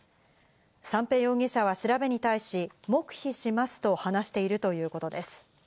三瓶容疑者は調べに対し、黙秘しますと話しているということです。